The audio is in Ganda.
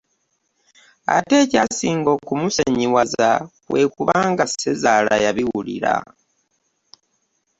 Ate ekyasinga okumusonyiwaza kwe kuba nga Ssezaala yabiwulira.